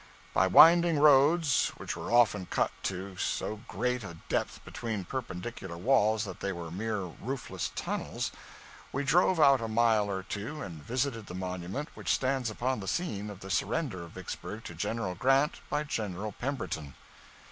By winding roads which were often cut to so great a depth between perpendicular walls that they were mere roofless tunnels we drove out a mile or two and visited the monument which stands upon the scene of the surrender of Vicksburg to General Grant by General Pemberton.